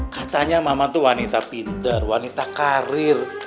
katanya mama itu wanita pinter wanita karir